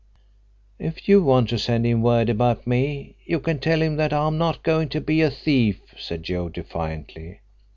"If you want to send him word about me, you can tell him that I'm not going to be a thief," said Joe defiantly.